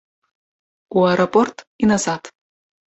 У аэрапорт і назад.